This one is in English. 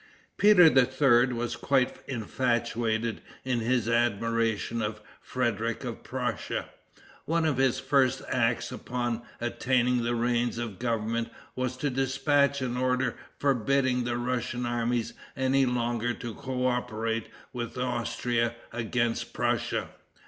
Peter III. was quite infatuated in his admiration of Frederic of Prussia. One of his first acts upon attaining the reins of government was to dispatch an order forbidding the Russian armies any longer to coöperate with Austria against Prussia.